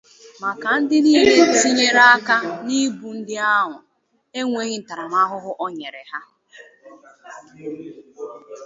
maka ndị niile tinyere aka na-igbu ndị ahụ enweghị ntaramahụhụ o nyere ha